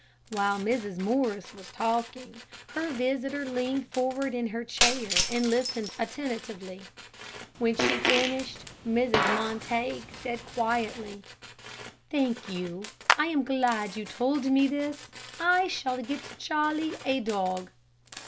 While Mrs. Morris was talking, her visitor leaned forward in her chair, and listened attentively. When she finished, Mrs. Montague said, quietly, "Thank you, I am glad that you told me this. I shall get Charlie a dog."